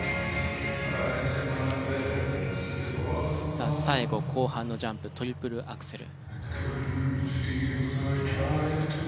さあ最後後半のジャンプトリプルアクセル。